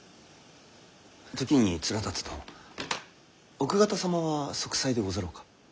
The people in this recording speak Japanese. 時に連龍殿奥方様は息災でござろうか。